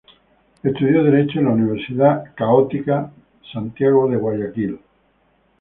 Estudió derecho en la Universidad Católica Santiago de Guayaquil.